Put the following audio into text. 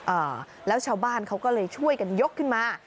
อ่าแล้วชาวบ้านเขาก็เลยช่วยกันยกขึ้นมา